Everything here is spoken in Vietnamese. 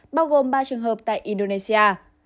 bao gồm ba trường hợp tại indonesia